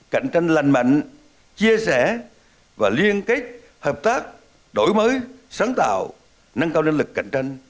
cạnh tranh lành mạnh chia sẻ và liên kết hợp tác đổi mới sáng tạo nâng cao năng lực cạnh tranh